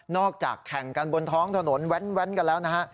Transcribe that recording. แข่งกันบนท้องถนนแว้นกันแล้วนะฮะ